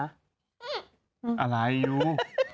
อะไรยู